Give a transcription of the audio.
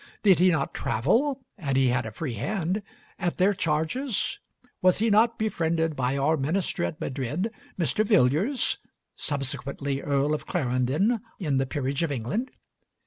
Did he not travel (and he had a free hand) at their charges? Was he not befriended by our minister at Madrid, Mr. Villiers, subsequently Earl of Clarendon in the peerage of England?